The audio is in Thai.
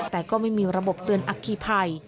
แต่ก็ไม่มีระบบเตือนอัคคีภัย